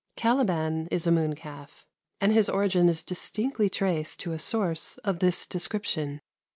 Caliban is a mooncalf, and his origin is distinctly traced to a source of this description.